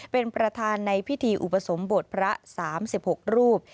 เป็นประธานในพิธีอุปสมบทพระ๓๖รูป